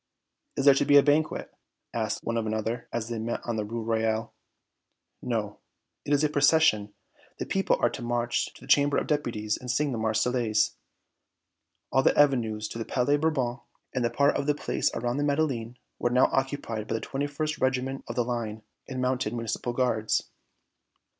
"Is there to be a banquet?" asked one of another, as they met on the Rue Royale. "No. It is a procession. The people are to march to the Chamber of Deputies and sing the Marseillaise." All the avenues to the Palais Bourbon and part of the Place around the Madeleine were now occupied by the 21st Regiment of the Line and mounted Municipal Guards.